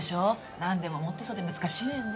なんでも持ってそうで難しいわよね。